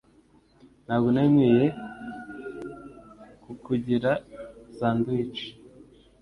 Ntabwo nari nkwiye kukugira sandwich